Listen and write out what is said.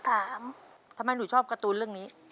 ทำไมหนูชอบการ์ตูนเรื่องนี้